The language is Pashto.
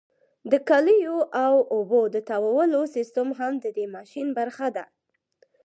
د کالیو او اوبو د تاوولو سیستم هم د دې ماشین برخه ده.